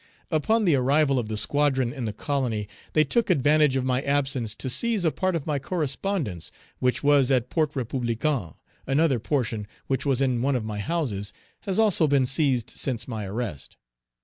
Upon the arrival of the squadron in the colony, they took advantage of my absence to seize a part of my correspondence, Page 321 which was at Port Républicain; another portion, which was in one of my houses, has also been seized since my arrest.